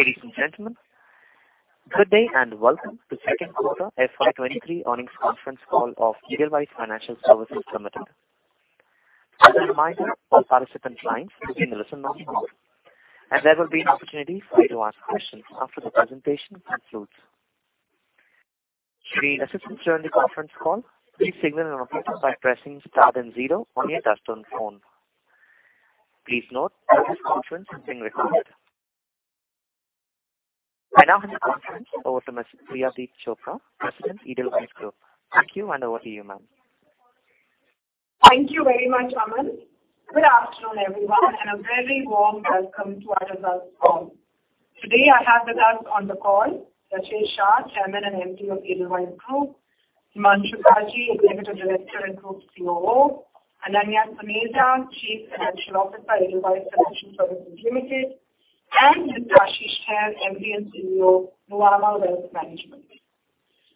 Ladies and gentlemen, good day and welcome to Q2 FY 2023 earnings conference call of Edelweiss Financial Services Limited. As a reminder, all participant lines will be in listen-only mode and there will be an opportunity for you to ask questions after the presentation concludes. If you need assistance during the conference call, please signal an operator by pressing star then zero on your touchtone phone. Please note that this conference is being recorded. I now hand the conference over to Ms. Priyadeep Chopra, President, Edelweiss Group. Thank you, and over to you, ma'am. Thank you very much, Aman. Good afternoon, everyone, and a very warm welcome to our results call. Today I have with us on the call Rashesh Shah, Chairman and MD of Edelweiss Group, Himanshu Kaji, Executive Director and Group COO, Ananya Suneja, Chief Financial Officer, Edelweiss Financial Services Limited, and Mr. Ashish Kehair, MD & CEO, Nuvama Wealth Management.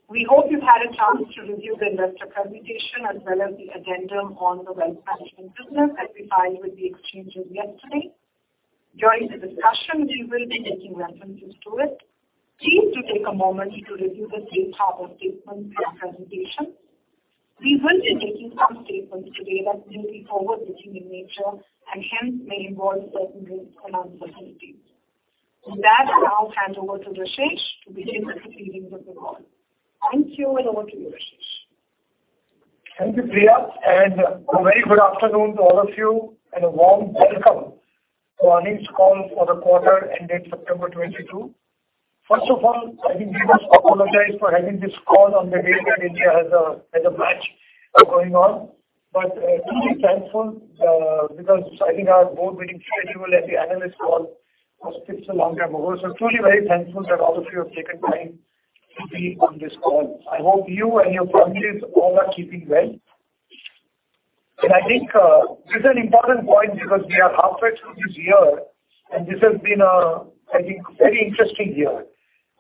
We hope you've had a chance to review the investor presentation as well as the addendum on the wealth management business that we filed with the exchanges yesterday. During the discussion, we will be making references to it. Please do take a moment to review the safe harbor statement in our presentation. We will be making some statements today that may be forward-looking in nature and hence may involve certain risks and uncertainties. With that, I'll hand over to Rashesh to begin the proceedings of the call. Thank you and over to you, Rashesh. Thank you, Priya, and a very good afternoon to all of you and a warm welcome to the earnings call for the quarter ending September 2022. First of all, I think we must apologize for having this call on the day that India has a match going on. Truly thankful, because I think our board meeting schedule and the analyst call was fixed a long time ago. Truly very thankful that all of you have taken time to be on this call. I hope you and your families all are keeping well. I think this is an important point because we are halfway through this year and this has been a, I think, very interesting year.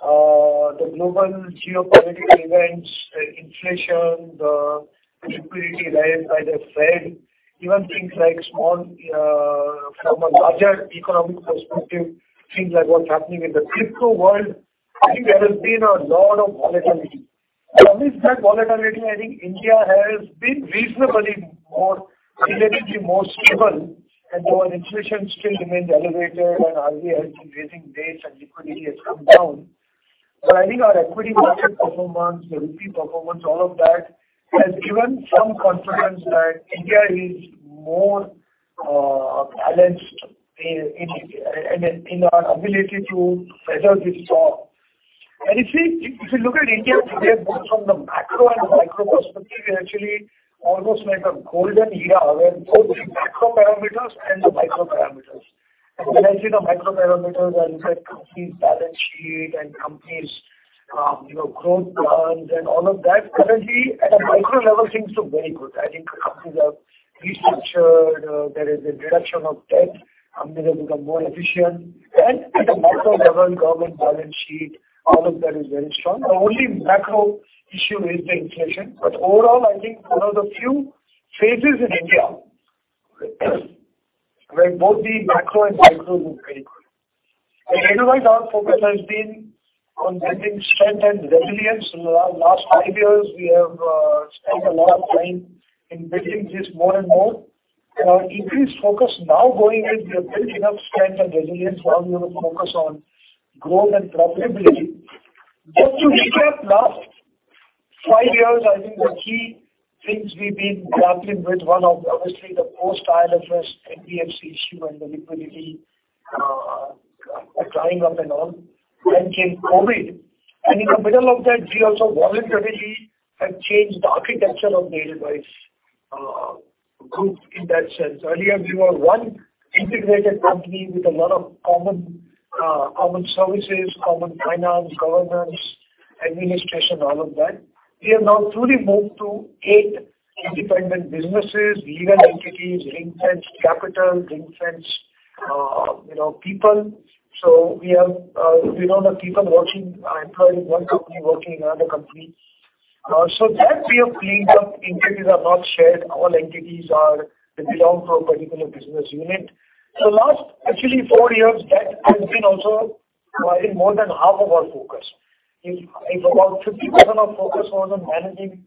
The global geopolitical events, the inflation, the liquidity raised by the Fed, even things like, from a larger economic perspective, things like what's happening in the Crypto World, I think there has been a lot of volatility. Amidst that volatility, I think India has been reasonably, relatively more stable. Though our inflation still remains elevated and RBI has been raising rates and liquidity has come down. I think our equity market performance, the rupee performance, all of that has given some confidence that India is more balanced in our ability to weather this storm. If you look at India today, both from the macro and micro perspective, we're actually almost like a golden era where both the macro parameters and the micro parameters. When I say the micro parameters, I look at companies' balance sheet and companies', you know, growth plans and all of that. Currently, at a micro level, things look very good. I think companies have restructured, there is a reduction of debt. Companies have become more efficient. At the macro level, government balance sheet, all of that is very strong. The only macro issue is the inflation. Overall, I think one of the few phases in India where both the macro and micro look very good. At Edelweiss, our focus has been on building strength and resilience. In the last 5 years, we have spent a lot of time in building this more and more. Our increased focus now going in, we have built enough strength and resilience. Now we want to focus on growth and profitability. Just to recap, last 5 years, I think the key things we've been grappling with, one of obviously the post-IL&FS NBFC issue and the liquidity, drying up and all. COVID. In the middle of that, we also voluntarily have changed the architecture of the Edelweiss Group in that sense. Earlier, we were one integrated company with a lot of common services, common finance, governance, administration, all of that. We have now truly moved to 8 independent businesses, legal entities ring-fenced capital, ring-fenced people. We have, we no longer have people employed in one company working in another company. That we have cleaned up. Entities are not shared. All entities are. They belong to a particular business unit. Last actually 4 years, that has been also, I think, more than half of our focus. If about 50% of focus was on managing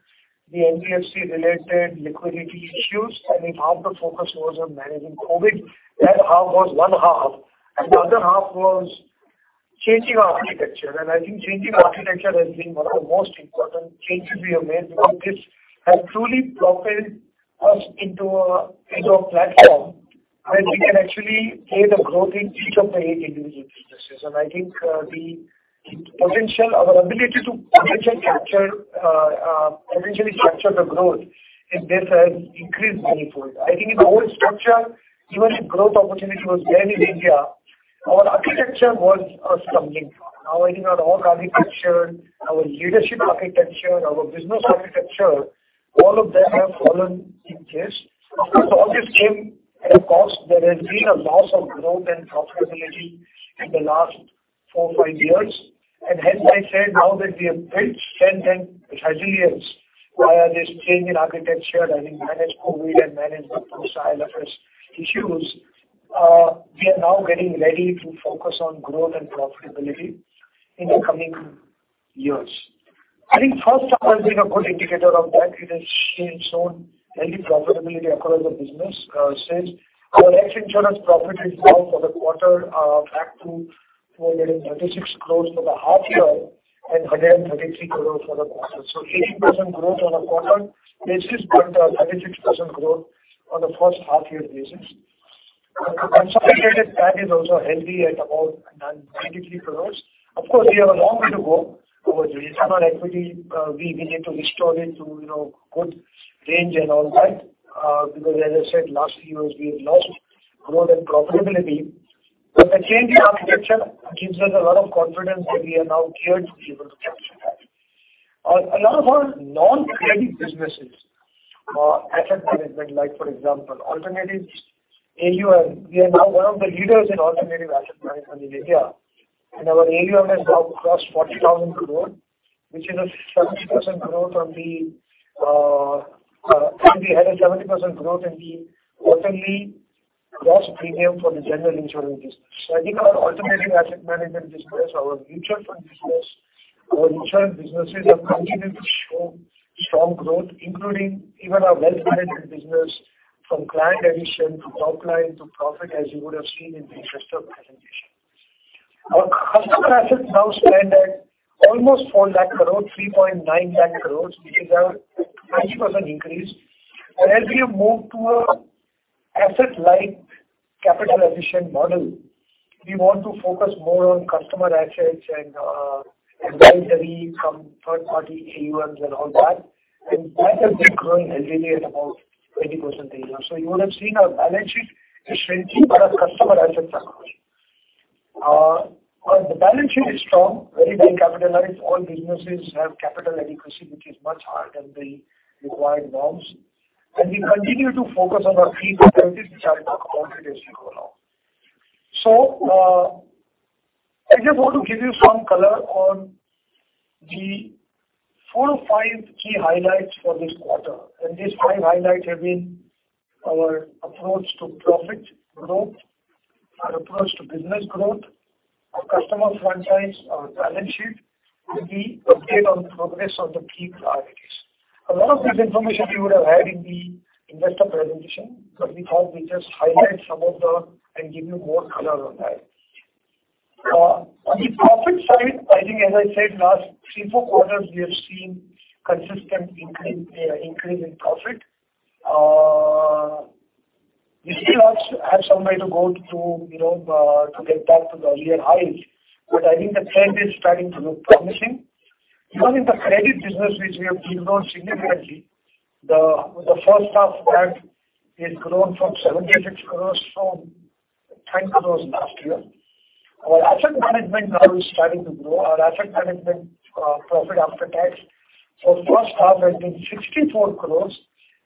the NBFC related liquidity issues, and if half the focus was on managing COVID, that half was one half and the other half was changing our architecture. I think changing architecture has been one of the most important changes we have made because this has truly propelled us into a platform where we can actually create a growth in each of the 8 individual businesses. I think the potential, our ability to potentially capture the growth in this has increased manifold. I think in the old structure, even if growth opportunity was there in India, our architecture was a stumbling block. Now I think our org architecture, our leadership architecture, our business architecture, all of them have fallen in place. Of course, all this came at a cost. There has been a loss of growth and profitability in the last 4-5 years. Hence I said now that we have built strength and resilience via this change in architecture and we managed COVID and managed the post IL&FS issues, we are now getting ready to focus on growth and profitability in the coming years. I think H1 has been a good indicator of that. It has shown healthy profitability across the business. Since our life insurance profit is now for the quarter, back to 136 crores for the half year and 133 crores for the quarter. So 18% growth on a quarter basis, but a 36% growth on the H1 year basis. The consolidated PAT is also healthy at about 93 crores. Of course, we have a long way to go. Our return on equity, we need to restore it to, you know, good range and all that. Because as I said, last few years we have lost growth and profitability. The change in architecture gives us a lot of confidence that we are now geared to be able to capture that. A lot of our non-credit businesses, asset management, like for example, alternatives AUM, we are now one of the leaders in alternative asset management in India and our AUM has crossed 40,000 crores, which is a 70% growth from the. We had a 70% growth in the quarterly gross premium for the general insurance business. I think our alternative asset management business, our mutual fund business, our insurance businesses have continued to show strong growth including even our wealth management business from client acquisition to top line to profit as you would have seen in the investor presentation. Our customer assets now stand at almost 4 lakh crore, 3.9 lakh crore, which is a 20% increase. As we have moved to an asset-light capital-efficient model, we want to focus more on customer assets and advisory from third-party AUMs and all that. That has been growing healthily at about 20% a year. You would have seen our balance sheet is shrinking but our customer assets are growing. Our balance sheet is strong, very well capitalized. All businesses have capital adequacy which is much higher than the required norms. We continue to focus on our key priorities which I will talk about it as we go along. I just want to give you some color on the 4 or 5 key highlights for this quarter. These 5 highlights have been our approach to profit growth, our approach to business growth, our customer franchise, our balance sheet and the update on progress on the key priorities. A lot of this information you would have had in the investor presentation, but we thought we just highlight some of the and give you more color on that. On the profit side, I think as I said last 3, 4 quarters we have seen consistent increase in profit. We still have some way to go to, you know, to get back to the earlier highs. I think the trend is starting to look promising. Even in the credit business which we have de-grown significantly, the H1 PAT has grown from 10 crore to 76 crore last year. Our asset management now is starting to grow. Our asset management profit after tax for H1 has been 64 crore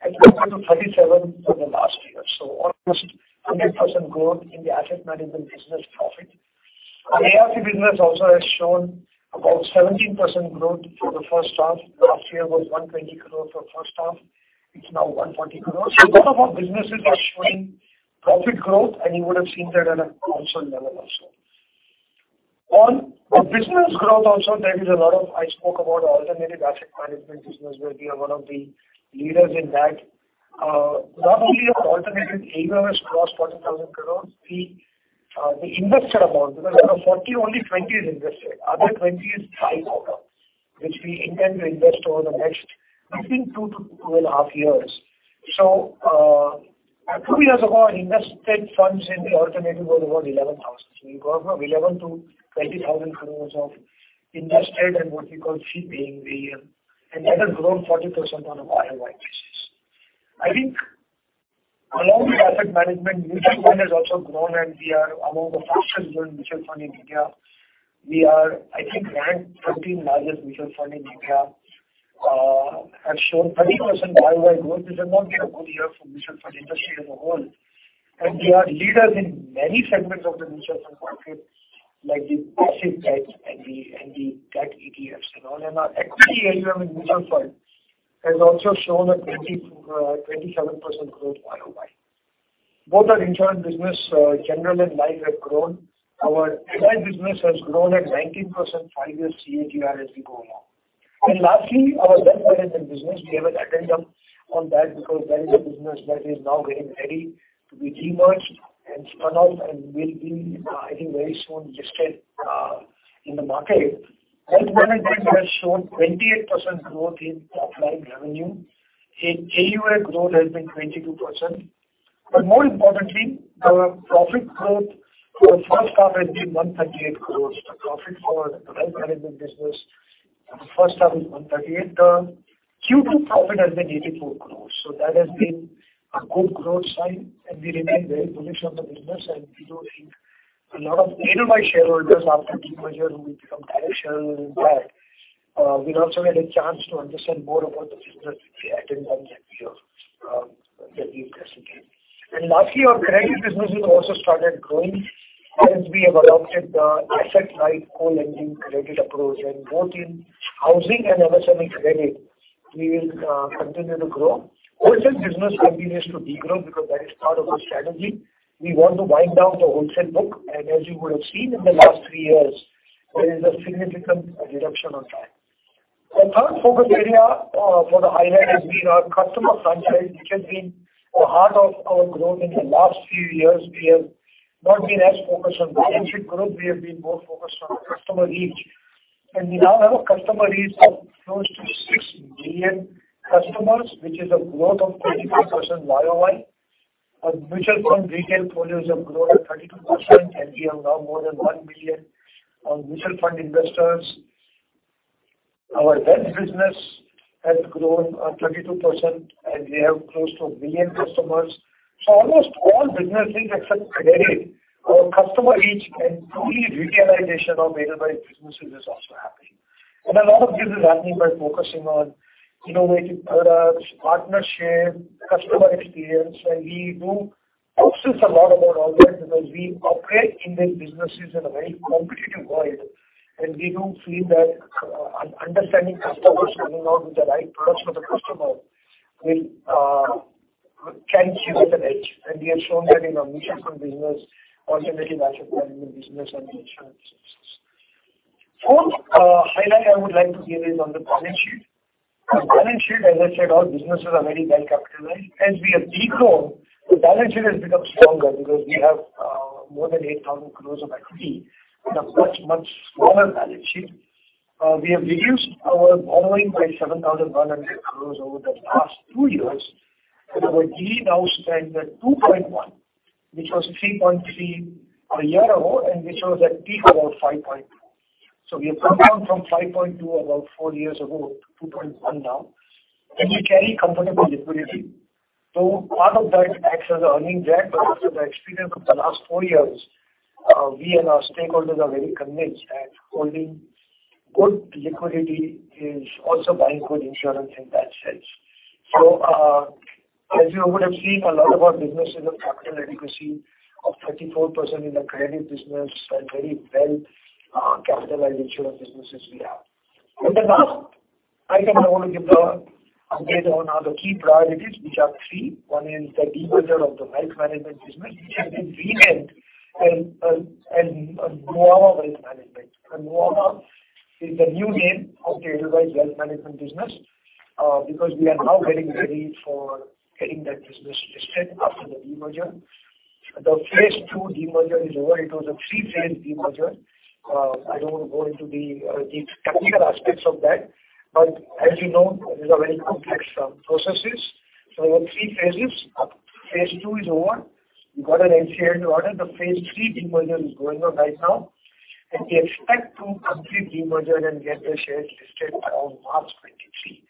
as compared to 37 crore for the last year. Almost 100% growth in the asset management business profit. Our ARC business also has shown about 17% growth for the H1. Last year was 120 crore for H1. It's now 140 crore. A lot of our businesses are showing profit growth and you would have seen that at a consolidated level also. On business growth also, I spoke about alternative asset management business where we are one of the leaders in that. Not only our alternative AUM has crossed INR 40,000 crore, we invested about because out of 40 only 20 is invested. Other 20 is tied up, which we intend to invest over the next between 2 to 2.5 years. A couple years ago our invested funds in the alternative was about 11,000 crore. We've gone from 11,000 to 20,000 crore of invested and what we call fee paying AUM and that has grown 40% on a YOY basis. I think along with asset management, mutual fund has also grown and we are among the fastest growing mutual fund in India. We are I think ranked 13 largest mutual fund in India. Have shown 20% YOY growth. This has not been a good year for mutual fund industry as a whole. We are leaders in many segments of the mutual fund market like the passive debt and the debt ETFs and all. Our equity AUM in mutual funds has also shown a 27% growth YOY. Both our insurance business, general and life have grown. Our MI business has grown at 19% 5-year CAGR as we go along. Lastly, our wealth management business, we have an addendum on that because that is a business that is now getting ready to be de-merged and spun off and will be, I think very soon listed, in the market. Wealth management has shown 28% growth in top-line revenue. Its AUM growth has been 22%. More importantly, our profit growth for H1 has been 138 crores. The profit for the wealth management business for H1 is 138. Q2 profit has been 84 crores. That has been a good growth sign and we remain very bullish on the business and we don't think a lot of you know my shareholders after de-merger we become direct shareholder in that. We'll also get a chance to understand more about the business if we add in that year. Lastly, our credit business has also started growing since we have adopted the asset-light co-lending credit approach. Both in housing and MSME credit, we will continue to grow. Wholesale business continues to de-grow because that is part of our strategy. We want to wind down the wholesale book, and as you would have seen in the last 3 years, there is a significant reduction on that. The third focus area for the highlight is our customer franchise, which has been the heart of our growth in the last few years. We have not been as focused on balance sheet growth, we have been more focused on customer reach. We now have a customer reach of close to 6 million customers, which is a growth of 23% YOY. Our mutual fund retail portfolios have grown at 32%, and we have now more than 1 million mutual fund investors. Our wealth business has grown 22%, and we have close to 1 million customers. Almost all businesses except credit have customer reach and truly retailization of Edelweiss businesses is also happening. A lot of this is happening by focusing on innovative products, partnership, customer experience. We do obsess a lot about all that because we operate in these businesses in a very competitive world, and we do feel that understanding customers, coming out with the right products for the customer will can give us an edge. We have shown that in our mutual fund business, alternative asset management business and insurance business. 4th highlight I would like to give is on the balance sheet. The balance sheet, as I said, all businesses are very well capitalized. As we have de-grown, the balance sheet has become stronger because we have more than 8,000 crore of equity in a much, much smaller balance sheet. We have reduced our borrowing by 7,100 crore over the past 2 years. Our GE now stands at 2.1, which was 3.3 a year ago, and which was at peak about 5.2. We have come down from 5.2 about 4 years ago to 2.1 now. We carry comfortable liquidity. Part of that is excess earning that, but also the experience of the last 4 years, we and our stakeholders are very convinced that holding good liquidity is also buying good insurance in that sense. As you would have seen a lot of our businesses have capital adequacy of 34% in the credit business and very well capitalized insurance businesses we have. Last item I want to give a update on are the key priorities, which are 3. One is the demerger of the wealth management business, which has been renamed as Nuvama Wealth Management. Nuvama is the new name of the Edelweiss Wealth Management business, because we are now getting ready for getting that business listed after the demerger. The phase 2 demerger is over. It was a 3-phase demerger. I don't want to go into the technical aspects of that, but as you know, these are very complex processes. We have 3 phases. Phase 2 is over. We got an NCLT order. The phase 3 demerger is going on right now, and we expect to complete demerger and get the shares listed around March 2023.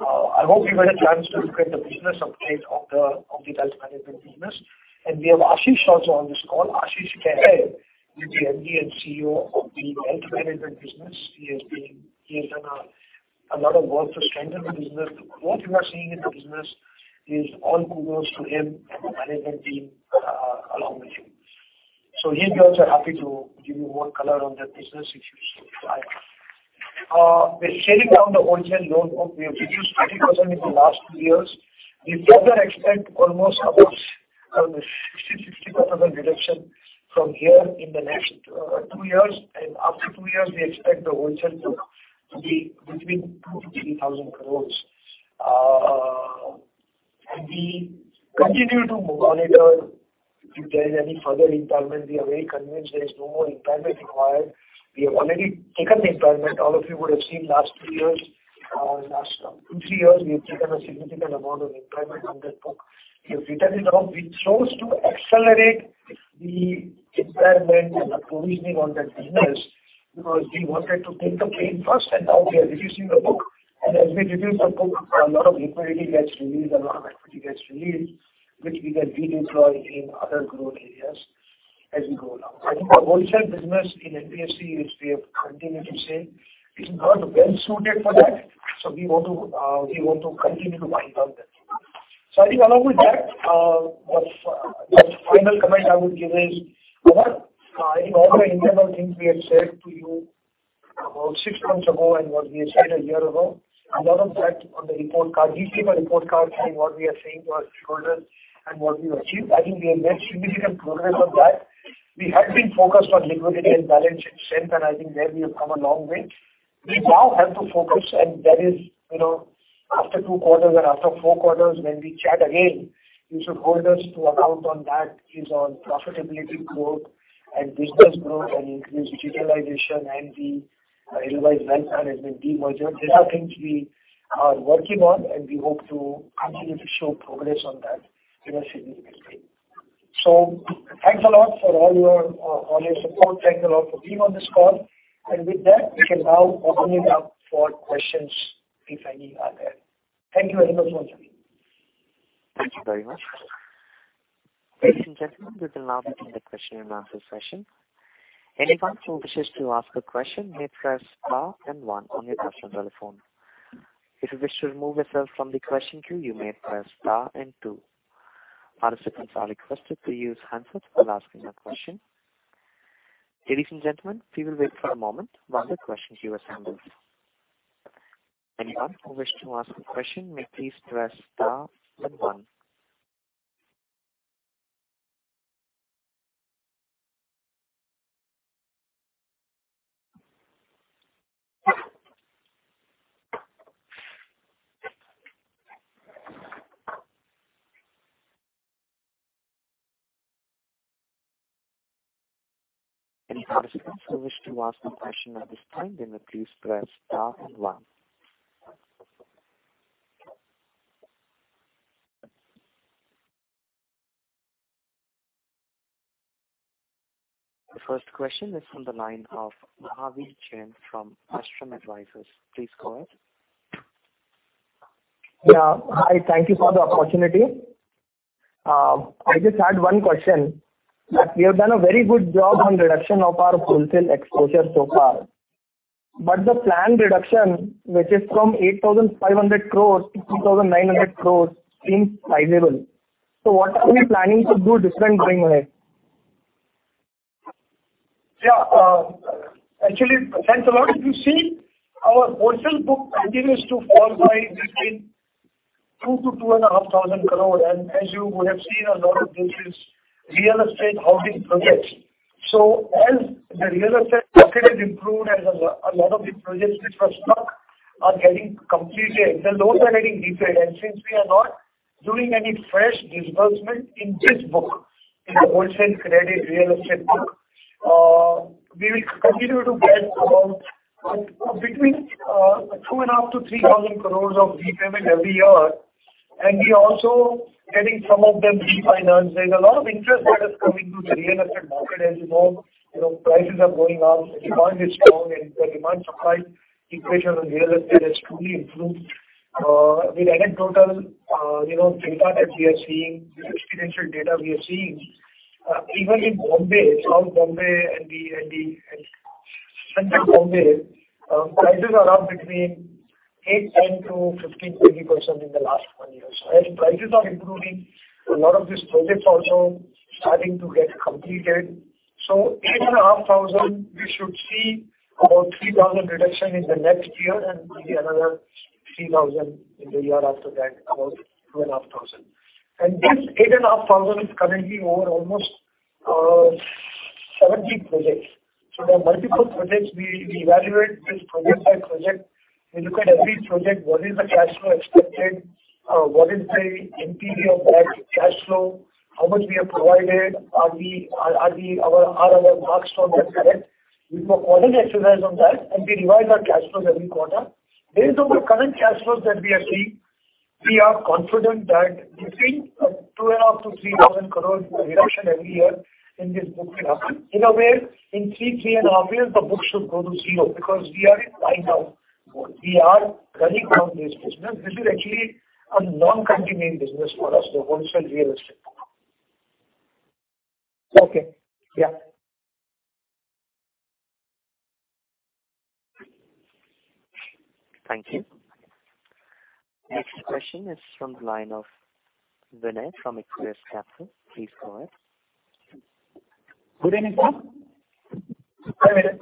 I hope you got a chance to look at the business update of the wealth management business. We have Ashish also on this call. Ashish Kehair is the MD and CEO of the wealth management business. He has done a lot of work to strengthen the business. The growth you are seeing in the business is all kudos to him and the management team along with him. He'll be also happy to give you more color on that business if you so require. We're scaling down the wholesale loan book. We have reduced 20% in the last 2 years. We further expect almost about 60% reduction from here in the next 2 years. After 2 years we expect the wholesale book to be between INR 2,000-3,000 crores. We continue to monitor if there is any further impairment. We are very convinced there is no more impairment required. We have already taken the impairment. All of you would have seen last 2-3 years, we have taken a significant amount of impairment on that book. We have written it off. We chose to accelerate the impairment and the provisioning on that business because we wanted to take the pain first and now we are reducing the book. As we reduce the book, a lot of liquidity gets released, a lot of equity gets released, which we can redeploy in other growth areas as we go along. I think the wholesale business in NBFC, which we have continued to say, is not well suited for that. We want to continue to wind down that. I think along with that, the final comment I would give is what, I think all the internal things we had said to you about 6 months ago and what we had said a year ago, a lot of that on the report card. You've seen my report card saying what we are saying to our shareholders and what we achieved. I think we have made significant progress on that. We have been focused on liquidity and balance sheet strength, and I think there we have come a long way. We now have to focus, and that is, you know, after 2 quarters and after 4 quarters when we chat again, you should hold us to account on that is on profitability growth and business growth and increased digitalization and the Edelweiss Wealth Management demerger. These are things we are working on, and we hope to continue to show progress on that in a significant way. Thanks a lot for all your support. Thanks a lot for being on this call. With that, we can now open it up for questions if any are there. Thank you very much. Thank you very much. Ladies and gentlemen, we will now begin the Q&A session. Anyone who wishes to ask a question may press star and one on your touchtone telephone. If you wish to remove yourself from the question queue, you may press star and 2. Participants are requested to use handsets while asking a question. Ladies and gentlemen, we will wait for a moment while the question queue assembles. Anyone who wish to ask a question may please press star and one. Any participant who wish to ask a question at this time, then please press star and one. The first question is from the line of Ravi Jain from Astrom Advisors. Please go ahead. Yeah. Hi, thank you for the opportunity. I just had one question. That we have done a very good job on reduction of our wholesale exposure so far. The planned reduction, which is from 8,500 crores to 3,900 crores, seems sizable. What are we planning to do different going ahead? Yeah. Actually, thanks a lot. If you see our wholesale book continues to fall by between 2,000 crore-2,500 crore. As you would have seen, a lot of this is real estate housing projects. As the real estate market has improved and a lot of the projects which were stuck are getting completed, the loans are getting repaid. Since we are not doing any fresh disbursement in this book, in the wholesale credit real estate book, we will continue to get about between 2,500 crore-3,000 crore of repayment every year. We also getting some of them refinanced. There's a lot of interest that is coming to the real estate market. As you know, prices are going up, demand is strong and the demand supply equation on real estate has truly improved. We've added total data that we are seeing, this experiential data we are seeing, even in Bombay, South Bombay and Central Bombay, prices are up between 8-10 to 15-20% in the last one year. As prices are improving, a lot of these projects also starting to get completed. 8,500 we should see about 3,000 reduction in the next year and maybe another 3,000 in the year after that, about 2,500. This 8,500 is currently over almost 70 projects. There are multiple projects. We evaluate this project by project. We look at every project. What is the cash flow expected? What is the NPV of that cash flow? How much we have provided? Are our marks on that correct? We do a full exercise on that and we revise our cash flows every quarter. Based on the current cash flows that we are seeing, we are confident that between 2,500-3,000 crores reduction every year in this book will happen in a way in 3 and a half years the book should go to zero because we are in wind down mode. We are cutting down this business. This is actually a non-continuing business for us, the wholesale real estate book. Okay. Yeah. Thank you. Next question is from the line of Vinay from Aquarius Capital. Please go ahead. Good evening, sir. Hi, Vinay.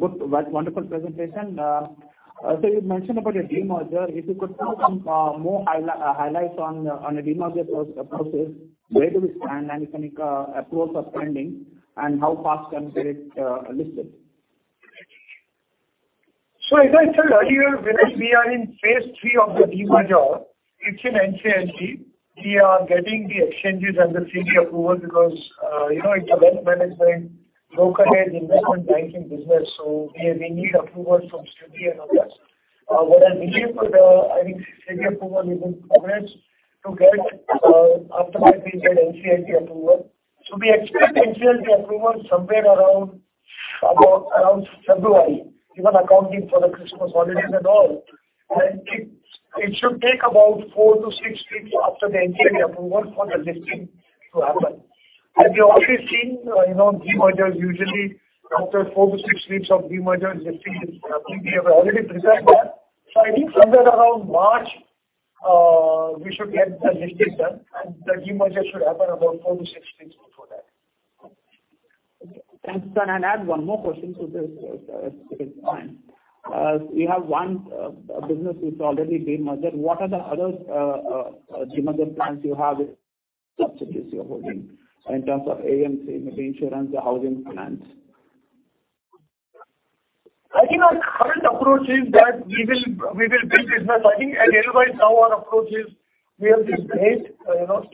Good, wonderful presentation. So you mentioned about a demerger. If you could give some more highlights on a demerger process. Where do we stand? If any approvals are pending and how fast can get it listed? As I said earlier, Vinay, we are in phase 3 of the demerger. It's in NCLT. We are getting the exchanges and the SEBI approval because it's a wealth management brokerage investment banking business, so we need approval from SEBI and others. I think SEBI approval is in progress to get, after that we get NCLT approval. We expect NCLT approval somewhere around February, even accounting for the Christmas holidays and all. It should take about 4-6 weeks after the NCLT approval for the listing to happen. As you already seen, demergers usually after 4-6 weeks of demerger listing is happening. We have already prepared that. I think somewhere around March, we should get the listing done and the demerger should happen about 4-6 weeks before that. Okay. Thanks. Can I add one more question to this, if it is fine? You have one business which is already demerged. What are the other demerger plans you have with subsidiaries you are holding in terms of AMC, maybe insurance or housing finance? I think our current approach is that we will build business. I think as you know by now our approach is we have these 8, you know,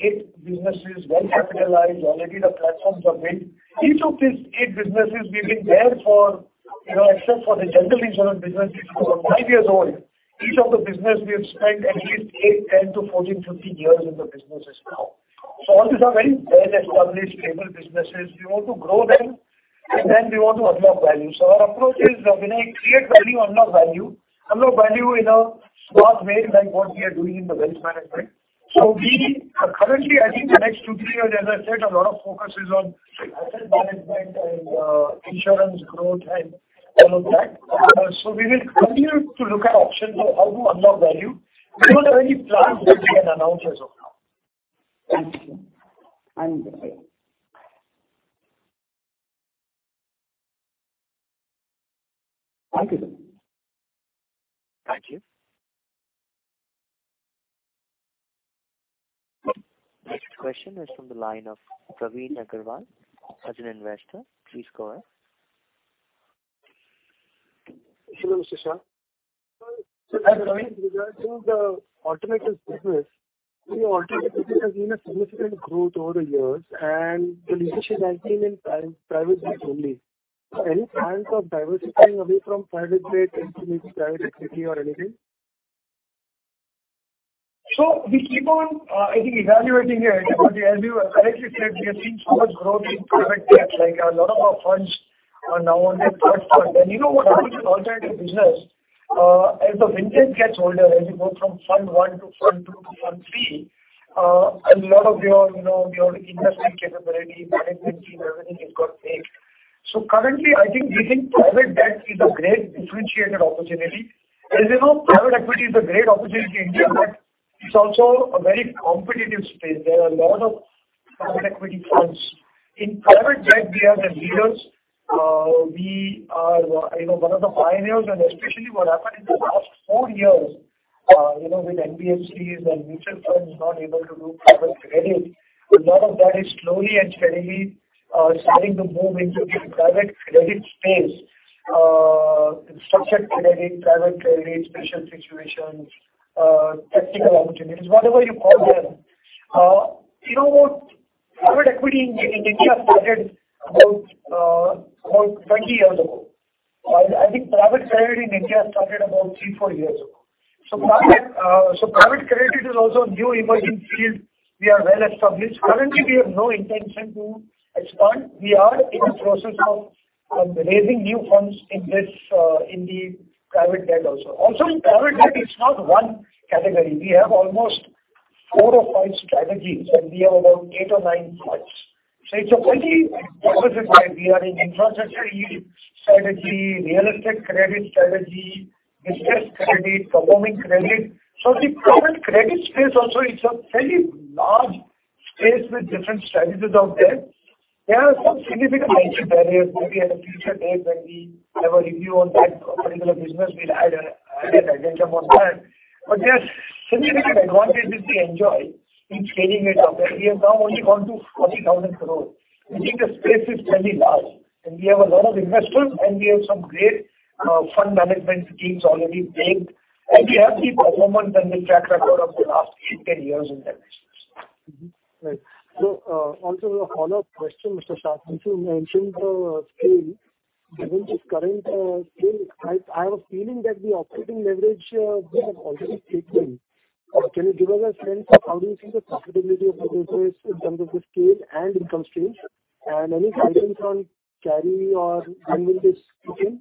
businesses well capitalized. Already the platforms are built. Each of these 8 businesses we've been there for, you know, except for the general insurance business which is about 5 years old. Each of the business we have spent at least 8, 10-14, 15 years in the business as now. All these are very well established stable businesses. We want to grow them. We want to unlock value. Our approach is, when I create value, unlock value. Unlock value in a smart way, like what we are doing in the wealth management. We are currently, I think the next 2-3 years, as I said, a lot of focus is on asset management and insurance growth and all of that. We will continue to look at options on how to unlock value. We don't have any plans that we can announce as of now. Thank you. Thank you. Thank you. Next question is from the line of Praveen Agarwal, Arjun Investor. Please go ahead. Hello, Mr. Shah. Regarding the alternatives business, the alternative business has been a significant growth over the years and the leadership has been in private banks only. Any plans of diversifying away from private bank into maybe private equity or anything? We keep on, I think, evaluating it. As you correctly said, we are seeing so much growth in private debt, like a lot of our funds are now on their third fund. You know what happens in alternative business, as the vintage gets older, as you go from fund one to fund two to fund 3, a lot of your, you know, your investment capability, management team, everything is got made. Currently, I think we think private debt is a great differentiated opportunity. As you know, private equity is a great opportunity in India, but it's also a very competitive space. There are a lot of private equity funds. In private debt, we are the leaders. We are, you know, one of the pioneers, and especially what happened in the last 4 years, you know, with NBFCs and mutual funds not able to do private credit. A lot of that is slowly and steadily starting to move into the private credit space. Structured credit, private credit, special situations, tactical opportunities, whatever you call them. You know, private equity in India started about 20 years ago. I think private credit in India started about 3-4 years ago. Private credit is also a new emerging field. We are well-established. Currently, we have no intention to expand. We are in the process of raising new funds in this, in the private debt also. Also, in private debt, it's not one category. We have almost 4 or 5 strategies, and we have about 8 or 9 funds. It's a pretty diversified. We are in infrastructure strategy, real estate credit strategy, distressed credit, performing credit. The private credit space also is a fairly large space with different strategies out there. There are some significant entry barriers. Maybe at a future date when we have a review on that particular business, we'll add an agenda on that. There are significant advantages we enjoy in scaling it up. We have now only gone to 40,000 crore. We think the space is fairly large, and we have a lot of investors, and we have some great fund management teams already built. We have the performance and the track record of the last 8-10 years in that business. Mm-hmm. Right. Also a follow-up question, Mr. Shah. Since you mentioned the scale, given this current scale, I have a feeling that the operating leverage we have already kicked in. Can you give us a sense of how do you see the profitability of the business in terms of the scale and income streams? And any guidance on carry or when will this kick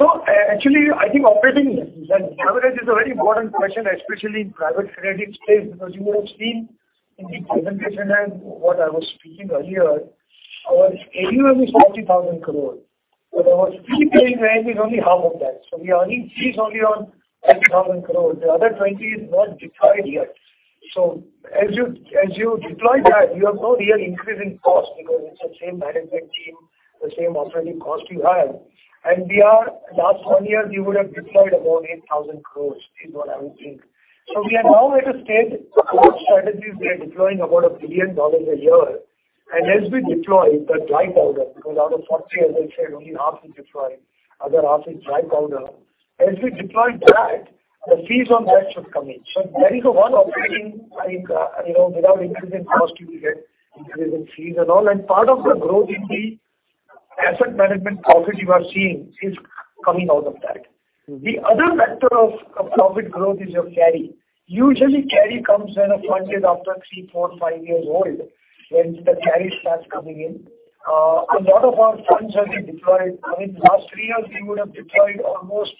in? Actually, I think operating leverage is a very important question, especially in private credit space, because you would have seen in the presentation and what I was speaking earlier. Our AUM is 40,000 crore. Our fee-paying AUM is only half of that. We are in fees only on 20,000 crore. The other 20 is not deployed yet. As you deploy that, you have no real increase in cost because it's the same management team, the same operating cost you have. Last one year we would have deployed about 8,000 crore is what I would think. We are now at a stage of strategies, we are deploying about $1 billion a year. As we deploy the dry powder, because out of 40, as I said, only half is deployed, other half is dry powder. As we deploy that, the fees on that should come in. There is a one operating, like, you know, without increasing cost, you will get increasing fees and all. Part of the growth in the asset management profit you are seeing is coming out of that. Mm-hmm. The other factor of profit growth is your carry. Usually carry comes when a fund is after 3, 4, 5 years old, when the carry starts coming in. A lot of our funds have been deployed. I mean, last 3 years, we would have deployed almost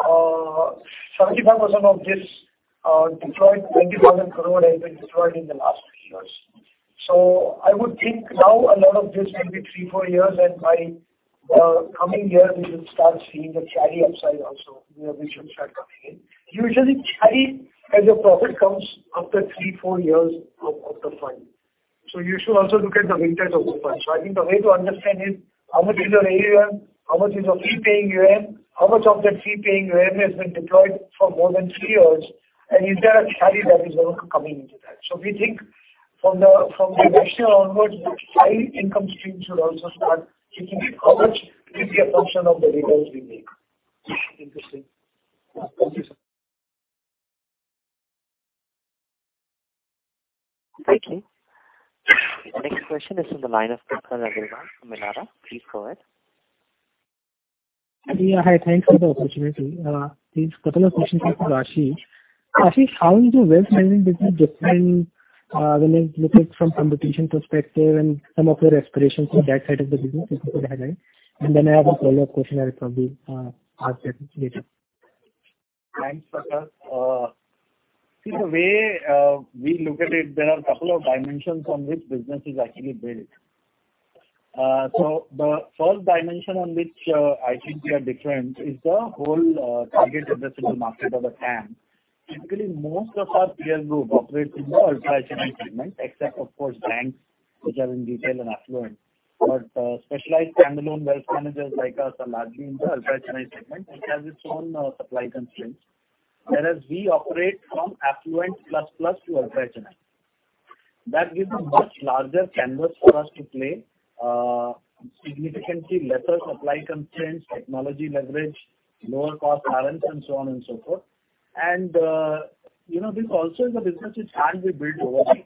75% of this, deployed 20,000 crore has been deployed in the last 3 years. I would think now a lot of this will be 3, 4 years, and by coming year, we should start seeing the carry upside also. You know, we should start coming in. Usually carry as a profit comes after 3-4 years of the fund. You should also look at the vintage of the fund. I think the way to understand is how much is your AUM? How much is your fee-paying AUM? How much of that fee-paying AUM has been deployed for more than 3 years? Is there a carry that is also coming into that? We think from the next year onwards, the carry income stream should also start kicking in. How much? It will be a function of the returns we make. Interesting. Thank you, sir. Thank you. The next question is from the line of Prakhar Agarwal from Elara. Please go ahead. Yeah. Hi, thanks for the opportunity. This first question is for Ashish. Ashish, how is the wealth management business different, when you look it from competition perspective and some of your aspirations from that side of the business, if you could highlight? I have a follow-up question I'll probably ask later. Thanks, Prakhar. See the way we look at it, there are a couple of dimensions on which business is actually built. The first dimension on which I think we are different is the whole target addressable market or the TAM. Typically, most of our peer group operates in the ultra-high net worth segment, except of course banks, which are in retail and affluent. Specialized standalone wealth managers like us are largely in the ultra-high net worth segment, which has its own supply constraints. Whereas we operate from affluent plus to ultra-high net worth. That gives a much larger canvas for us to play, significantly lesser supply constraints, technology leverage, lower cost base and so on and so forth. You know, this also is a business which can be built over time.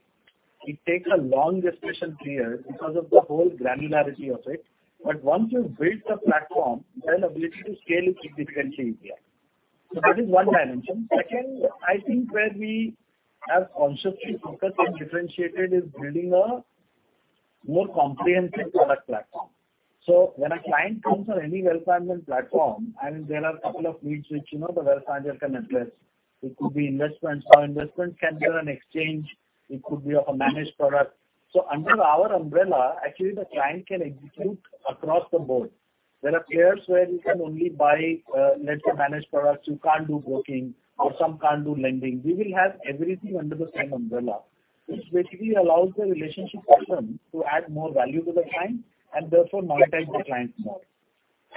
It takes a long gestation period because of the whole granularity of it. Once you build the platform, then ability to scale is significantly easier. That is one dimension. Second, I think where we have consciously focused and differentiated is building a more comprehensive product platform. When a client comes on any wealth management platform, and there are a couple of needs which, you know, the wealth manager can address. It could be investments. Now, investments can be on an exchange, it could be of a managed product. Under our umbrella, actually the client can execute across the board. There are players where you can only buy, let's say, managed products, you can't do broking or some can't do lending. We will have everything under the same umbrella, which basically allows the relationship person to add more value to the client and therefore monetize the clients more.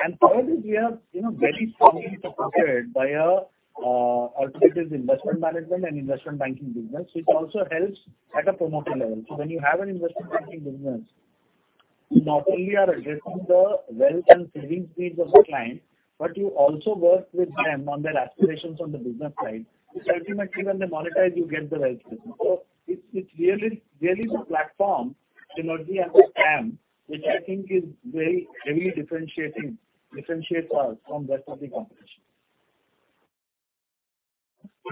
Third, we are, you know, very strongly supported by a alternative investment management and investment banking business, which also helps at a promoter level. When you have an investment banking business, you not only are addressing the wealth and savings needs of the client, but you also work with them on their aspirations on the business side. Ultimately when they monetize, you get the right result. It's really the platform synergy and the TAM, which I think very heavily differentiates us from rest of the competition.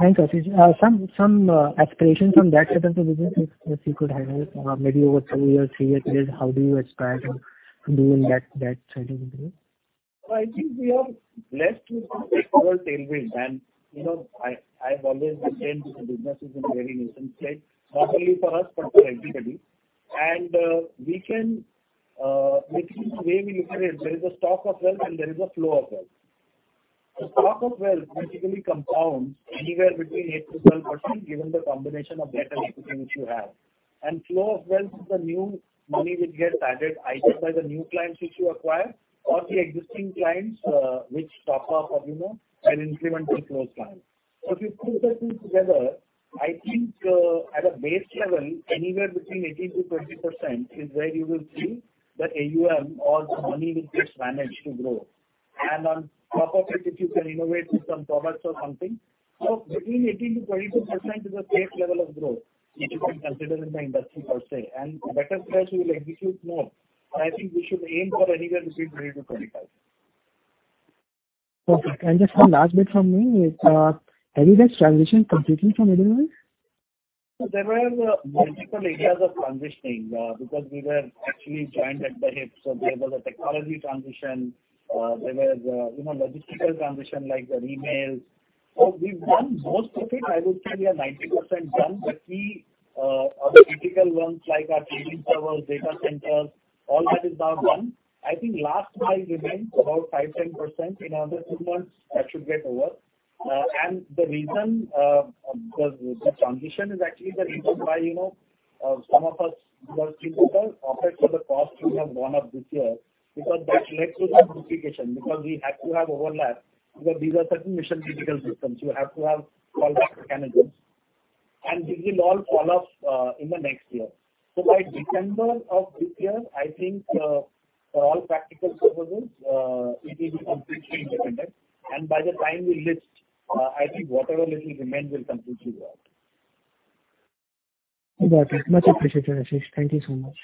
Thanks, Ashish. Some aspirations from that side of the business if you could highlight, maybe over 2-year, 3-year period, how do you expect to do in that side of the business? I think we are blessed with this favorable tailwind. You know, I've always maintained this business is in a very nascent state, not only for us but for everybody. We can, I think the way we look at it, there is a stock of wealth and there is a flow of wealth. The stock of wealth basically compounds anywhere between 8%-12%, given the combination of debt and equity which you have. Flow of wealth is the new money which gets added either by the new clients which you acquire or the existing clients, which top up or, you know, an incremental flow of clients. If you put the two together, I think, at a base level, anywhere between 18%-20% is where you will see the AUM or the money which gets managed to grow. On top of it, if you can innovate with some products or something. Between 18%-22% is a safe level of growth which you can consider in the industry per se. Better players will execute more. I think we should aim for anywhere between 20%-25%. Perfect. Just one last bit from me. Have you guys transitioned completely from Edelweiss? There were multiple areas of transitioning, because we were actually joined at the hips. There was a technology transition. There was, you know, logistical transition, like your emails. We've done most of it. I would say we are 90% done. The key, or the critical ones like our trading servers, data centers, all that is now done. I think last mile remains about 5-10%. In another 2 months that should get over. The reason, the transition is actually the reason why, you know, some of us were skeptical apart from the cost we have gone up this year because that led to the duplication because we had to have overlap because these are certain mission critical systems. You have to have fall back mechanisms and this will all fall off in the next year. By December of this year, I think, for all practical purposes, it will be completely independent. By the time we list, I think whatever little remains will completely go out. Got it. Much appreciated, Ashish. Thank you so much.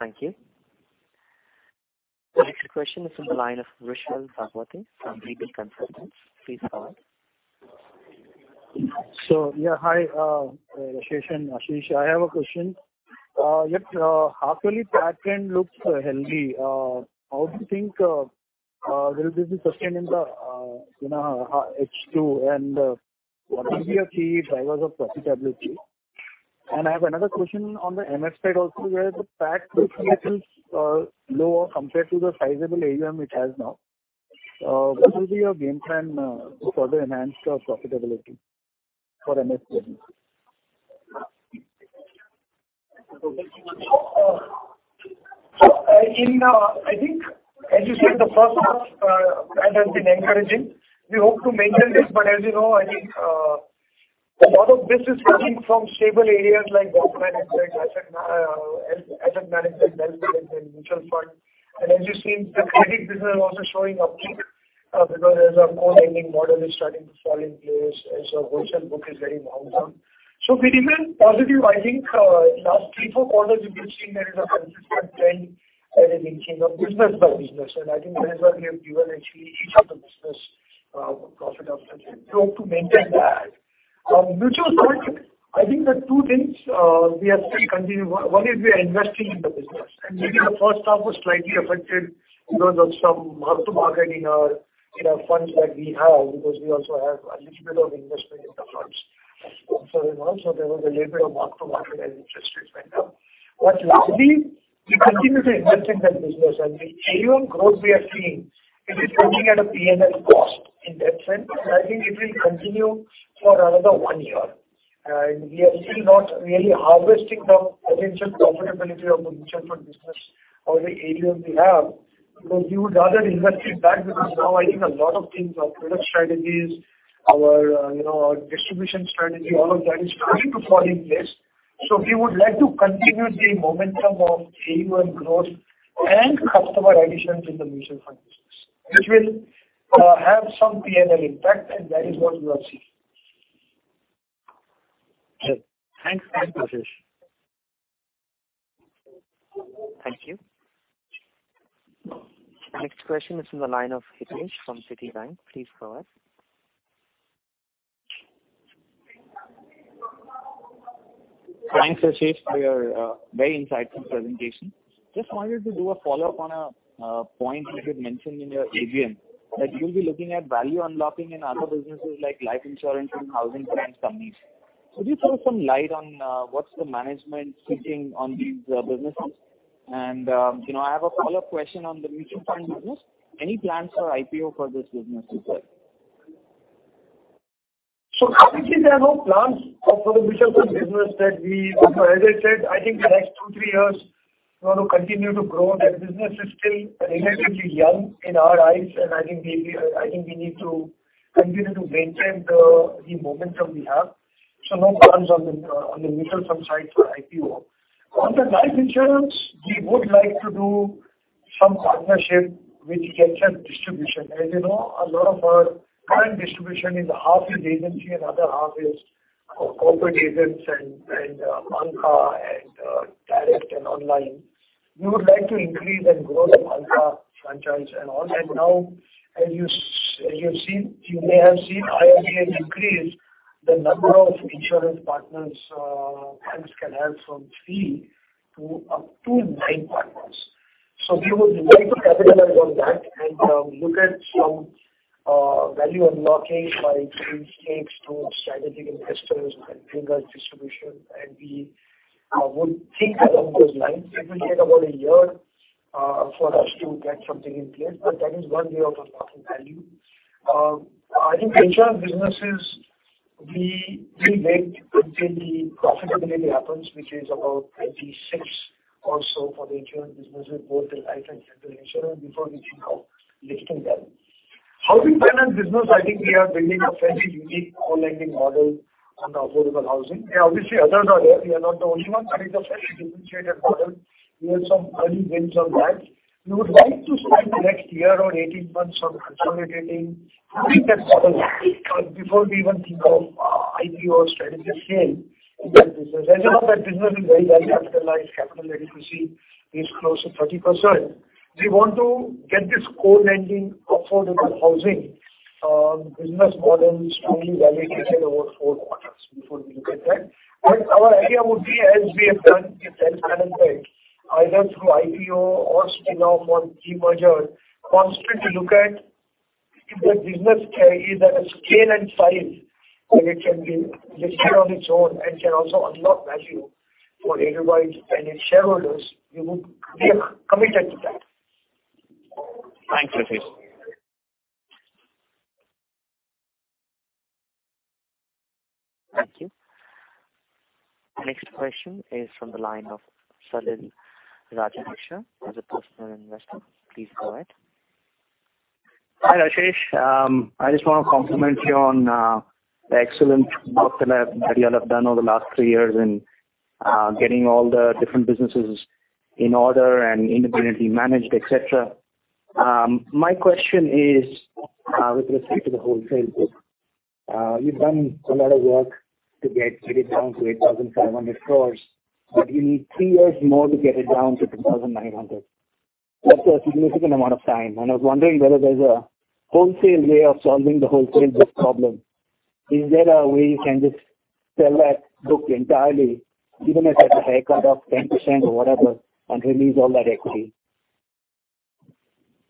Thank you. The next question is from the line of Vishal Sakwate from JP Consultants. Please go ahead. Hi, Rashesh and Ashish, I have a question. Your half-yearly PAT trend looks healthy. How do you think will this be sustained in the you know H2 and what will be your key drivers of profitability? I have another question on the MSME side also where the PAT looks a little lower compared to the sizable AUM it has now. What will be your game plan to further enhance your profitability for MSME? I think as you said the H1, PAT has been encouraging. We hope to maintain this, but as you know, I think a lot of this is coming from stable areas like wealth management, asset management, wealth management, mutual fund. As you've seen the credit business also showing uptick. Because as our co-lending model is starting to fall in place as our wholesale book is very wholesome. We remain positive. I think, last 3-4 quarters you could see there is a consistent trend in terms of business by business. I think that is what we have given actually each of the business, profit after tax. We hope to maintain that. Mutual funds, I think there are 2 things we are still continuing. One is we are investing in the business and maybe the H1 was slightly affected because of some mark to market in our funds that we have because we also have a little bit of investment in the funds as well. There was a little bit of mark to market as interest rates went up. Lastly, we continue to invest in that business and the AUM growth we are seeing. It is looking at a PNL cost in that sense and I think it will continue for another one year. We are still not really harvesting the potential profitability of the mutual fund business or the AUM we have because we would rather invest it back because now I think a lot of things, our product strategies, our, you know, our distribution strategy, all of that is starting to fall in place. We would like to continue the momentum of AUM growth and customer additions in the mutual fund business, which will have some PNL impact and that is what you are seeing. Sure. Thanks. Thanks, Ashish. Thank you. Next question is from the line of Hitesh from Citibank. Please go ahead. Thanks, Ashish, for your very insightful presentation. Just wanted to do a follow-up on a point you had mentioned in your AGM that you'll be looking at value unlocking in other businesses like life insurance and housing finance companies. Could you throw some light on what's the management thinking on these businesses? You know, I have a follow-up question on the mutual fund business. Any plans for IPO for this business as well? Currently there are no plans for the mutual fund business. You know, as I said, I think the next 2-3 years we want to continue to grow. That business is still relatively young in our eyes and I think we need to continue to maintain the momentum we have. No plans on the mutual fund side for IPO. On the life insurance, we would like to do some partnership which gets us distribution. As you know, a lot of our current distribution is half agency and other half is corporate agents and bancassurance and direct and online. We would like to increase and grow the bancassurance franchise and all that. Now, as you've seen, you may have seen IRDA increase the number of insurance partners banks can have from 3 to up to 9 partners. We would like to capitalize on that and look at some value unlocking by giving stakes to strategic investors who can bring us distribution and we would think along those lines. It will take about a year for us to get something in place, but that is one way of unlocking value. I think our businesses we will wait until the profitability happens, which is about 2026 or so for the insurance business with both the life and general insurance before we think of listing them. Housing finance business I think we are building a fairly unique co-lending model on affordable housing. Obviously others are there, we are not the only one, but it's a fairly differentiated model. We have some early wins on that. We would like to spend the next year or 18 months on consolidating, proving that model before we even think of IPO or strategic sale in that business. As of now that business is very well capitalized. Capital adequacy is close to 30%. We want to get this co-lending affordable housing business model strongly validated over 4 quarters before we look at that. Our idea would be as we have done with Edelweiss Bank, either through IPO or spin-off or demerger, constantly look at if that business is at a scale and size where it can be listed on its own and can also unlock value for Edelweiss and its shareholders, we are committed to that. Thanks, Ashish. Thank you. Next question is from the line of Salil Rajimaksa as a personal investor. Please go ahead. Hi, Ashish. I just want to compliment you on the excellent job that you all have done over the last 3 years in getting all the different businesses in order and independently managed, et cetera. My question is with respect to the wholesale book. You've done a lot of work to get it down to 8,500 crore, but you need 3 years more to get it down to 2,900 crore. That's a significant amount of time and I was wondering whether there's a wholesale way of solving the wholesale book problem. Is there a way you can just sell that book entirely even if it's a haircut of 10% or whatever and release all that equity?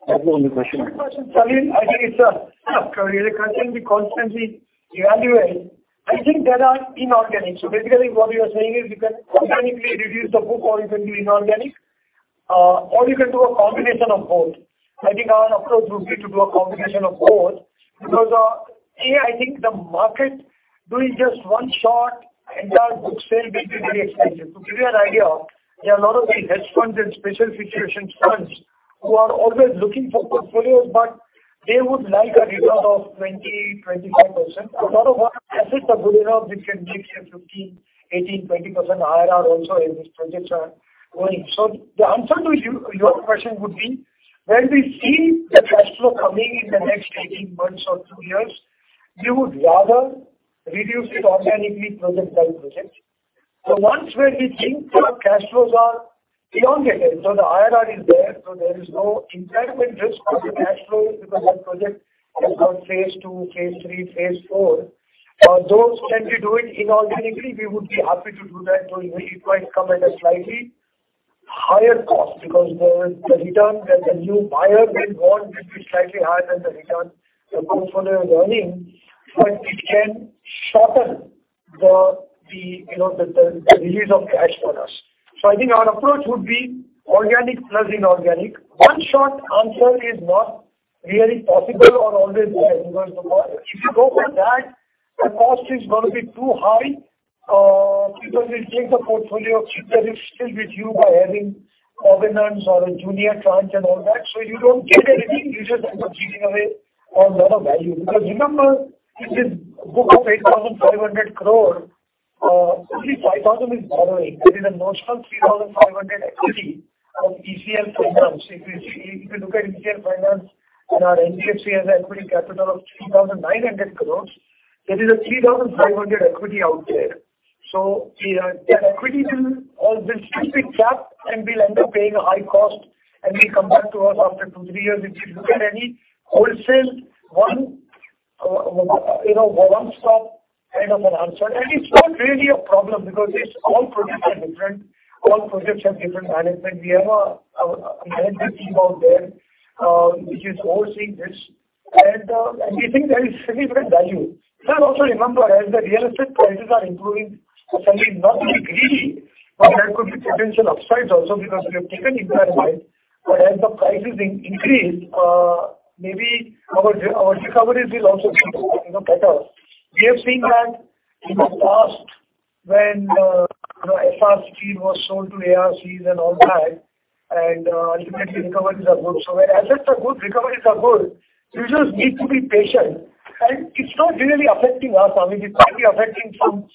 That's my only question. Good question, Salil. I think it's a career question we constantly evaluate. I think there are inorganics. Basically what you are saying is you can organically reduce the book or you can do inorganic, or you can do a combination of both. I think our approach would be to do a combination of both because A, I think the market doing just one shot entire book sale will be very expensive. To give you an idea, there are a lot of these hedge funds and special situations funds who are always looking for portfolios, but they would like a return of 20-25%. A lot of our assets are good enough, which can give you 15%, 18%, 20% IRR also and these projects are. The answer to your question would be when we see the cash flow coming in the next 18 months or 2 years, we would rather reduce it organically project by project. Once where we think our cash flows are beyond a level, the IRR is there is no impairment risk on the cash flows because that project has got phase 2, phase 3, phase 4. Those can we do it inorganically, we would be happy to do that, it might come at a slightly higher cost because the return that the new buyer will want will be slightly higher than the return the portfolio is earning. It can shorten the, you know, the release of cash for us. I think our approach would be organic plus inorganic. One short answer is not really possible or always advisable. If you go for that, the cost is gonna be too high. People will take the portfolio, keep the risk still with you by having covenants or a junior tranche and all that. You don't get anything. You're just kind of giving away a lot of value. Because remember, this is a book of 8,500 crore. Only 5,000 crore is borrowing. There is a notional 3,500 crore equity of ECL Finance. If you look at ECL Finance and our HDFC has an equity capital of 3,900 crores. There is a 3,500 crore equity out there. Yeah, that equity will still be trapped, and we'll end up paying a high cost, and they come back to us after 2-3 years, which is, look at any wholesale one, you know, one-stop kind of an answer. It's not really a problem because all projects are different. All projects have different management. We have a management team out there, which is overseeing this. We think there is significant value. You should also remember, as the real estate prices are improving, certainly not to be greedy, but there could be potential upsides also because we have taken impairment. As the prices increase, maybe our recoveries will also be, you know, better. We have seen that in the past when Essar Steel was sold to ARCs and all that, and ultimately recoveries are good. When assets are good, recoveries are good. You just need to be patient. It's not really affecting us, Salil Bawa. It's maybe affecting some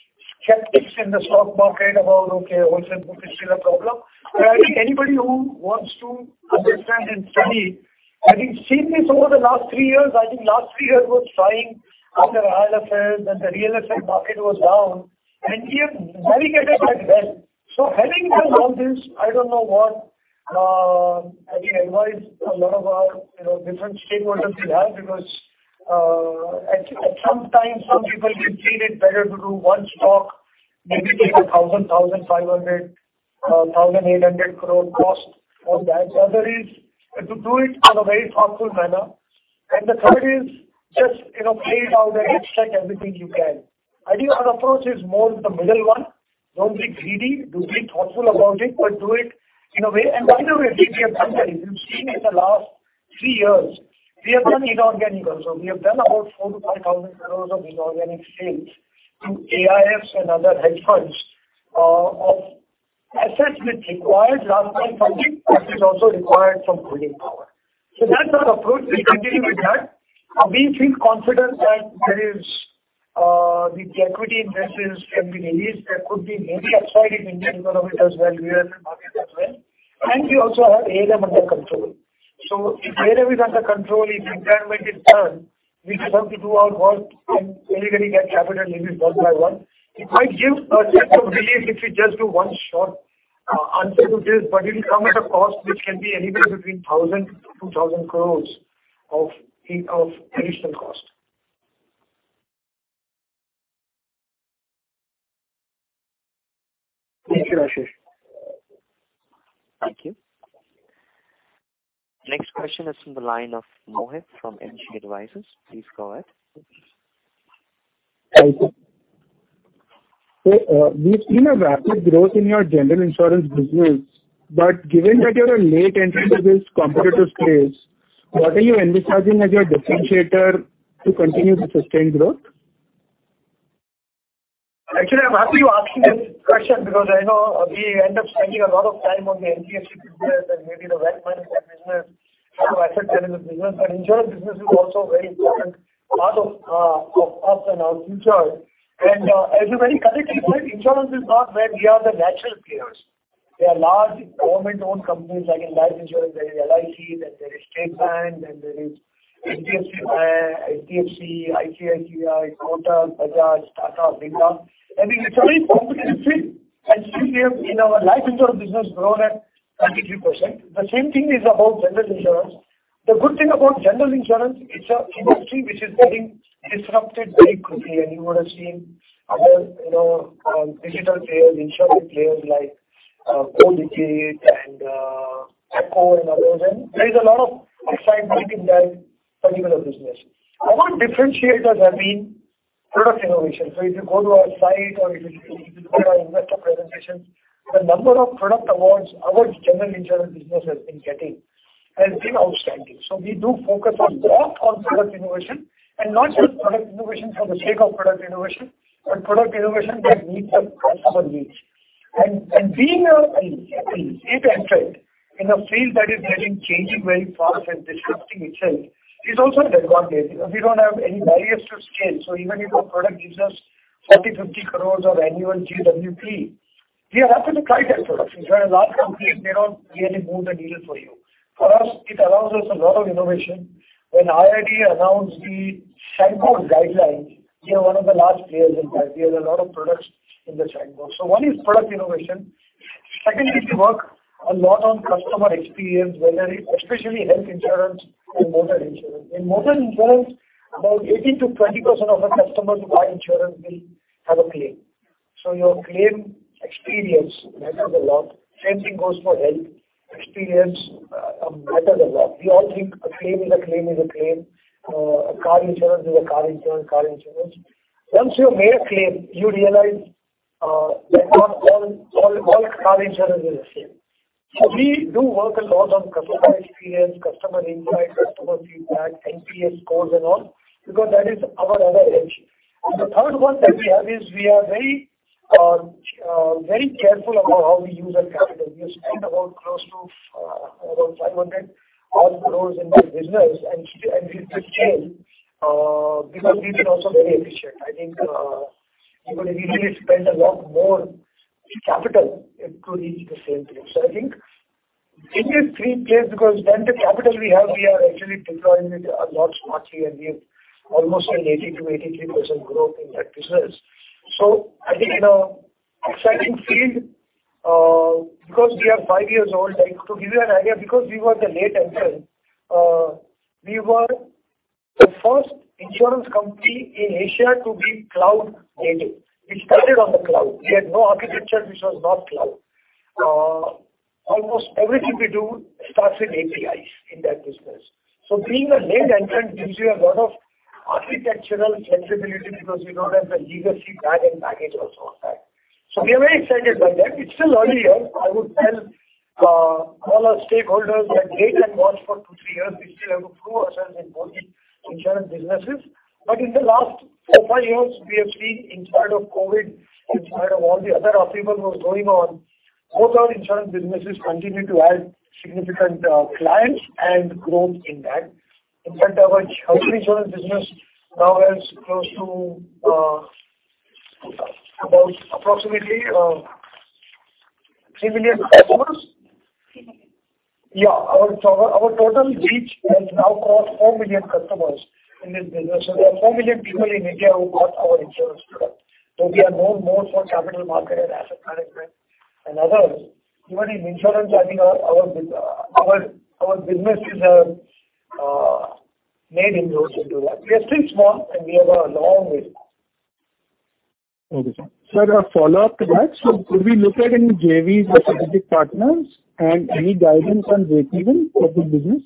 skeptics in the stock market about, okay, wholesale book is still a problem. I think anybody who wants to understand and study, having seen this over the last 3 years, I think last 3 years were trying under IL&FS when the real estate market was down, and we have navigated that well. Having done all this, I don't know what I will advise a lot of our, you know, different stakeholders we have because at some time some people may feel it better to do one stock, maybe take 1,500 crore-1,800 crore cost on that. The other is to do it in a very thoughtful manner. The third is just, you know, pay it out and extract everything you can. I think our approach is more to the middle one. Don't be greedy. Do be thoughtful about it, but do it in a way. By the way, we have done that. If you've seen in the last 3 years, we have done inorganic also. We have done about 4,000-5,000 crores of inorganic sales through AIFs and other hedge funds of assets which required last mile funding, but it also required some holding power. That's our approach. We continue with that. We feel confident that there is the equity investments have been released. There could be maybe upside in Indian promoters as well. We are in the market as well. We also have AUM under control. If AUM is under control, if impairment is done, we just have to do our work and deliberately get capital released one by one. It might give a sense of relief if we just do one short answer to this, but it'll come at a cost which can be anywhere between 1,000-2,000 crores of additional cost. Thank you, Ashish. Thank you. Next question is from the line of Mohit from NC Advisors. Please go ahead. Thank you. We've seen a rapid growth in your general insurance business. Given that you're a late entry to this competitive space, what are you envisaging as your differentiator to continue the sustained growth? Actually, I'm happy you're asking this question because I know we end up spending a lot of time on the HDFC business and maybe the wealth management business, how effective is the business. Insurance business is also a very important part of of us and our future. As you very correctly pointed, insurance is not where we are the natural players. There are large government-owned companies like in life insurance there is LIC, then there is State Bank, and there is HDFC Life, HDFC, ICICI, Tata, Bajaj, Tata, Birla. I mean, it's a very competitive field. Still we have in our life insurance business grown at 23%. The same thing is about general insurance. The good thing about general insurance, it's an industry which is getting disrupted very quickly. You would have seen other, you know, digital players, insurance players like Policybazaar and ACKO and others. There is a lot of excitement in that particular business. Our differentiators have been product innovation. If you go to our site or if you go to our investor presentation, the number of product awards our general insurance business has been getting has been outstanding. We do focus a lot on product innovation. Not just product innovation for the sake of product innovation, but product innovation that meets the customer needs. Being a late entrant in a field that is changing very fast and disrupting itself is also an advantage because we don't have any barriers to scale. Even if a product gives us 40 crores- 50 crores of annual GWP, we are happy to try that product. If you're a large company, they don't really move the needle for you. For us, it allows us a lot of innovation. When IRDA announced the sandbox guidelines, we are one of the large players in that. We have a lot of products in the sandbox. One is product innovation. Secondly, we work a lot on customer experience, especially health insurance and motor insurance. In motor insurance, about 18%-20% of the customers who buy insurance will have a claim. Your claim experience matters a lot. Same thing goes for health. Experience matters a lot. We all think a claim is a claim. A car insurance is a car insurance. Once you have made a claim, you realize that not all car insurance is the same. We do work a lot on customer experience, customer insight, customer feedback, NPS scores and all, because that is our other edge. The third one that we have is we are very careful about how we use our capital. We have spent about 500-odd crore in that business and with this change, because we've been also very efficient. I think we would have easily spent a lot more capital to reach the same place. I think in these 3 places, because then the capital we have, we are actually deploying it a lot smartly, and we have almost an 80%-83% growth in that business. I think in an exciting field, because we are 5 years old, I To give you an idea, because we were the late entrant, we were the first insurance company in Asia to be cloud-native. We started on the cloud. We had no architecture which was not cloud. Almost everything we do starts with APIs in that business. Being a late entrant gives you a lot of architectural flexibility because you don't have the legacy bag and baggage of all that. We are very excited by that. It's still early yet. I would tell all our stakeholders that wait and watch for 2-3 years. We still have to prove ourselves in both the insurance businesses. In the last 4-5 years, we have seen in spite of COVID, in spite of all the other upheaval that was going on, both our insurance businesses continue to add significant clients and growth in that. In fact, our health insurance business now has close to, about approximately, 3 million customers. INR 3 million. Yeah. Our total reach has now crossed 4 million customers in this business. There are 4 million people in India who bought our insurance product. Though we are known more for capital market and asset management and others, even in insurance, I think our businesses have made inroads into that. We are still small, and we have a long way. Okay, sir. Sir, a follow-up to that. Could we look at any JVs or strategic partners and any guidance on breakeven for this business?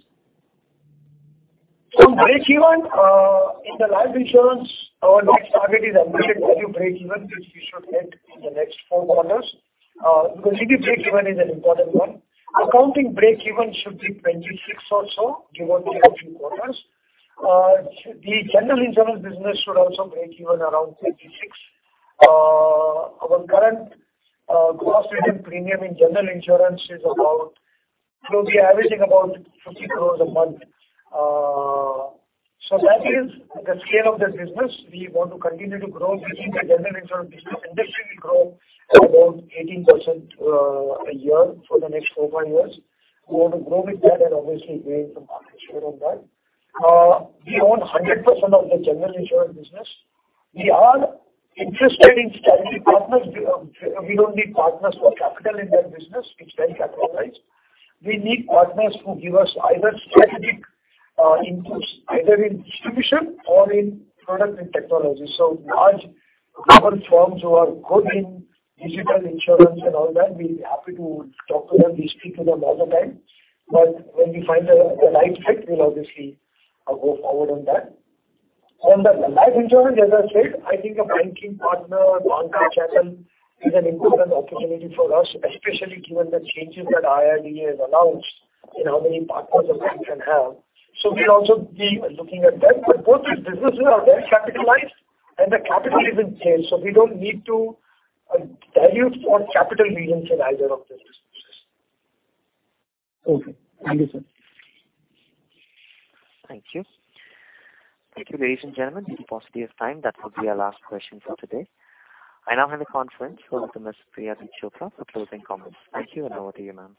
Breakeven in the life insurance, our next target is ambitious value breakeven, which we should hit in the next 4 quarters. Because hitting breakeven is an important one. Accounting breakeven should be 26 or so, given the last few quarters. The general insurance business should also break even around 26. Our current gross written premium in general insurance is about, so we're averaging about 50 crore a month. That is the scale of that business. We want to continue to grow. We think the general insurance business industry will grow at about 18% a year for the next 4-5 years. We want to grow with that and obviously gain some market share on that. We own 100% of the general insurance business. We are interested in strategic partners. We don't need partners for capital in that business. It's well-capitalized. We need partners who give us either strategic inputs, either in distribution or in product and technology. Large global firms who are good in digital insurance and all that, we'll be happy to talk to them. We speak to them all the time. When we find the right fit, we'll obviously go forward on that. On the life insurance, as I said, I think a banking partner, banking capital is an important opportunity for us, especially given the changes that IRDA has announced in how many partners a bank can have. We'll also be looking at that. Both these businesses are well-capitalized, and the capital is in place, so we don't need to dilute or capital-intensive in either of those businesses. Okay. Thank you, sir. Thank you. Thank you, ladies and gentlemen. In the paucity of time, that will be our last question for today. I now hand the conference over to Ms. Priyadeep Chopra for closing comments. Thank you, and over to you, ma'am.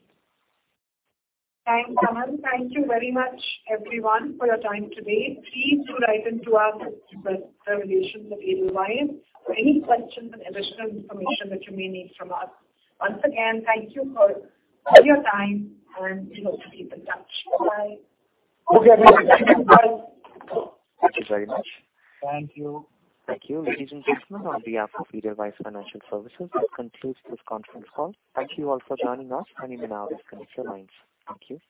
Thanks, Aman. Thank you very much, everyone, for your time today. Please do write in to us at Investor Relations at Edelweiss for any questions and additional information that you may need from us. Once again, thank you for all your time, and we hope to keep in touch. Bye. Okay. Have a good evening. Bye. Thank you very much. Thank you. Thank you. Ladies and gentlemen, on behalf of Edelweiss Financial Services, that concludes this conference call. Thank you all for joining us. You may now disconnect your lines. Thank you.